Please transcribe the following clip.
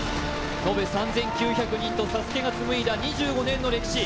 延べ３９００人とＳＡＳＵＫＥが紡いだ２５年の歴史。